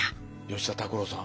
吉田拓郎さん。